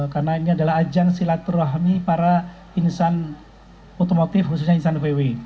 karena ini adalah ajang silaturahmi para insan otomotif khususnya insan vw